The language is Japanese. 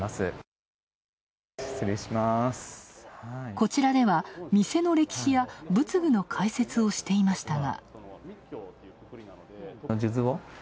こちらでは、店の歴史や仏具の解説をしていましたが。